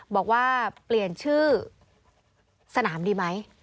บอกว่าเปลี่ยนชื่อสนามดีไหม